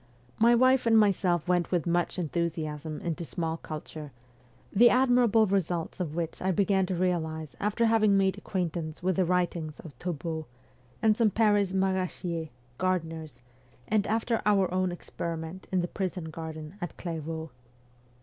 My wife and myself went with much enthusiasm into small culture, the admirable results of which I began to realize after having made acquaintance with the writings of Toubeau, and some Paris maraichers (gardeners), and after our own experiment in the prison garden at Clairvaux.